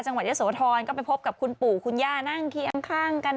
เยอะโสธรก็ไปพบกับคุณปู่คุณย่านั่งเคียงข้างกัน